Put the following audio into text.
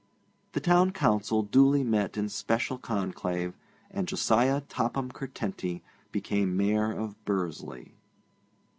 The Town Council duly met in special conclave, and Josiah Topham Curtenty became Mayor of Bursley.